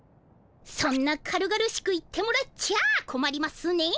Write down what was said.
そんな軽々しく言ってもらっちゃあこまりますね。